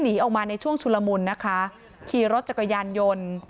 หนีออกมาในช่วงชุลมุนนะคะขี่รถจักรยานยนต์